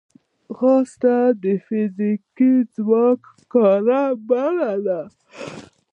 ځغاسته د فزیکي ځواک ښکاره بڼه ده